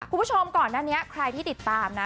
คุณผู้ชมก่อนหน้านี้ใครที่ติดตามนะ